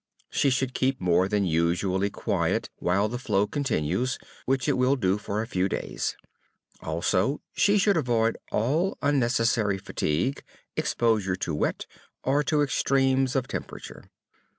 She should keep more than usually quiet while the flow continues, which it will do for a few days. Also, she should avoid all unnecessary fatigue, exposure to wet or to extremes of temperature.